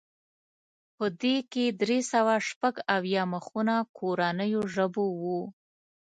په دې کې درې سوه شپږ اویا مخونه کورنیو ژبو وو.